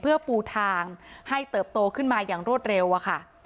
เพื่อปูทางให้เติบโตขึ้นมาอย่างรวดเร็วอะค่ะ